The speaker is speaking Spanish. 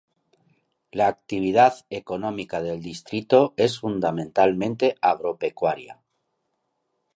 La actividad económica del distrito es fundamentalmente agropecuaria.